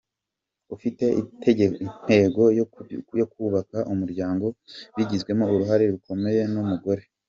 Ufite intego yo kubaka umuryango bigizwemo uruhare rukomeye n’umugore.